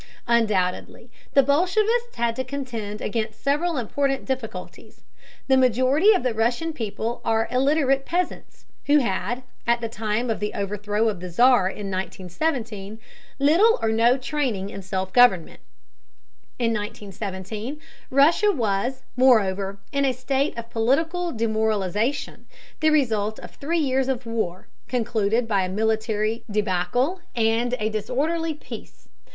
Undoubtedly, the bolshevists had to contend against several important difficulties. The majority of the Russian people are illiterate peasants, who had had, at the time of the overthrow of the Czar in 1917, little or no training in self government. In 1917, Russia was, moreover, in a state of political demoralization, the result of three years of war, concluded by a military debacle and a disorderly peace.